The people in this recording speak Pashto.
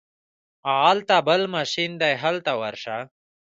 هغلته بل ماشین دی هلته ورشه.